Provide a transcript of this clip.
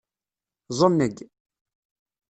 Ẓenneg.